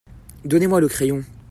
Donnez-moi le crayon.